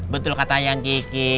betul kata yang kiki